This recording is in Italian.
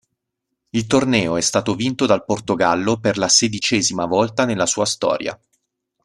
Il torneo è stato vinto dal Portogallo per la sedicesima volta nella sua storia.